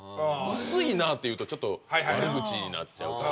「薄いな」って言うとちょっと悪口になっちゃうから。